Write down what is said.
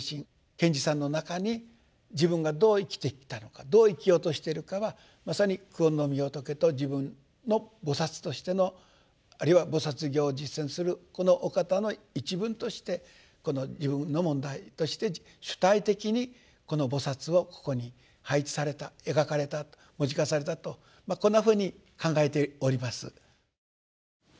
賢治さんの中に自分がどう生きてきたのかどう生きようとしているかはまさに久遠のみ仏と自分の菩薩としてのあるいは菩薩行を実践するこのお方の一分として自分の問題として主体的にこの菩薩をここに配置された描かれたと文字化されたとこんなふうに考えております。